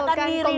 maksakan diri dok